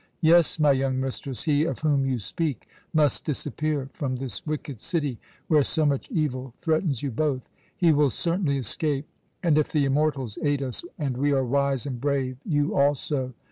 Yes, my young mistress, he of whom you speak must disappear from this wicked city where so much evil threatens you both. He will certainly escape and, if the immortals aid us and we are wise and brave, you also.